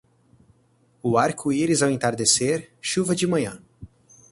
O arco-íris ao entardecer, chuva de manhã.